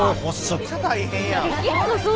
めっちゃ大変やん。